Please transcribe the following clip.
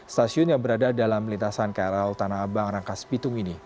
stasiun yang berada dalam lintasan krl tanah abang rangkas bitung ini